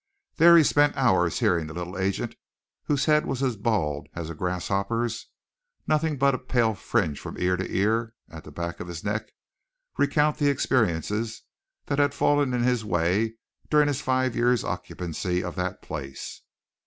There he spent hours hearing the little agent, whose head was as bald as a grasshopper's, nothing but a pale fringe from ear to ear at the back of his neck, recount the experiences that had fallen in his way during his five years' occupancy of that place.